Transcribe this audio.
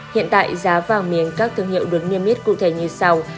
hiện tại giá vàng miếng các thương hiệu được niêm yết cụ thể như sau